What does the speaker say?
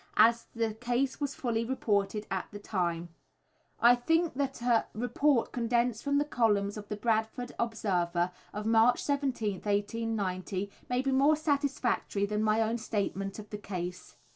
As the case was fully reported at the time, I think that a report condensed from the columns of The Bradford Observer, of March 17th, 1890, may be more satisfactory than my own statement of the case.